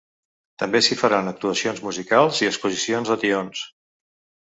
També s’hi faran actuacions musicals i exposicions de tions.